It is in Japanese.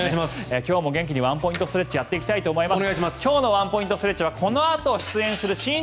今日も元気にワンポイントストレッチをやっていきたいと思います。